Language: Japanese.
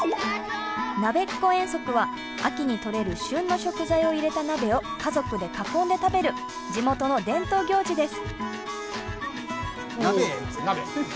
なべっこ遠足は秋に取れる旬の食材を入れた鍋を家族で囲んで食べる地元の伝統行事です。